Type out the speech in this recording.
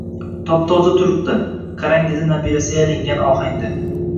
Top-toza turibdi, qarang dedi nabirasi yalingan ohangda